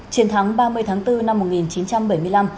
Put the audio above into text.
chiến thắng ba mươi tháng bốn năm một nghìn chín trăm bảy mươi năm